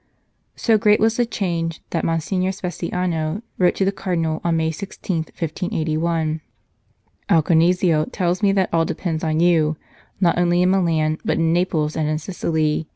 So great was the change that Monsignor Speciano wrote to the Cardinal on May 16, 1581 :" Alcanisio tells me that all depends on you, not only in Milan, but in Naples and in Sicily.